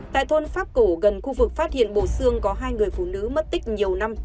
tại thôn pháp cổ gần khu vực phát hiện bộ xương có hai người phụ nữ mất tích nhiều năm